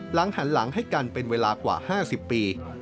หลังหันหลังให้กันเป็นเวลากว่า๕๐ปี